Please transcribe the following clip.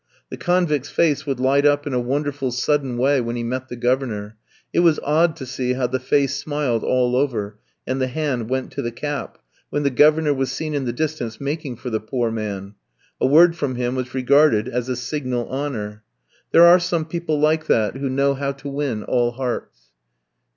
The convict's face would light up in a wonderful, sudden way when he met the Governor; it was odd to see how the face smiled all over, and the hand went to the cap, when the Governor was seen in the distance making for the poor man. A word from him was regarded as a signal honour. There are some people like that, who know how to win all hearts.